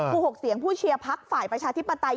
กู้หกเสียงผู้เชียร์ภักดิ์ฝ่ายประชาธิปไตย